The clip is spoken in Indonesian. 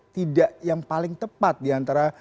tidak yang paling tepat diantara